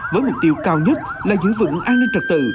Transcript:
với mục tiêu cao nhất là giữ vững an ninh trật tự